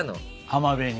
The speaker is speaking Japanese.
浜辺に。